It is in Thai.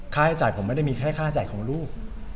ให้จ่ายผมไม่ได้มีแค่ค่าจ่ายของลูก